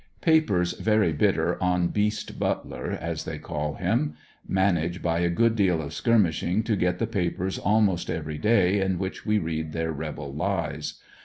Papers very bitter on Beast Butler, as they call him. Manage by a good deal of skirmishing to get the papers almost every daj in which we read their rebel lies.